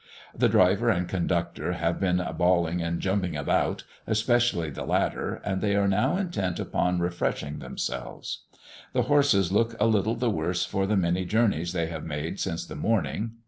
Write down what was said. The driver and conductor have been bawling and jumping about, especially the latter, and they are now intent upon "refreshing" themselves. The horses look a little the worse for the many journeys they have made since the morning.